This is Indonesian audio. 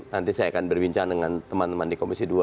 nanti saya akan berbincang dengan teman teman di komisi dua